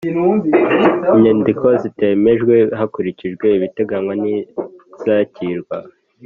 Inyandiko zitemejwe hakurikijwe ibiteganywa ntizakirwa